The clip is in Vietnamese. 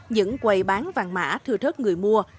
những quầy bán vàng mã thư thớt người mua